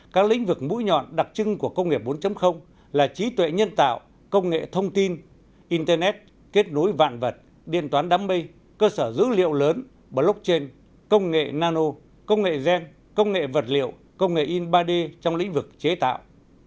các lĩnh vực mũi nhọn đặc trưng của công nghệ bốn là trí tuệ nhân tạo công nghệ thông tin internet kết nối vạn vật điện toán đám mây cơ sở dữ liệu lớn blockchain công nghệ nano công nghệ gen công nghệ vật liệu công nghệ in ba d trong lĩnh vực chế tạo